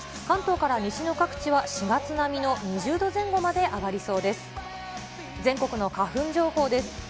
関東から西の各地は４月並みの２０度前後まで上がりそうです。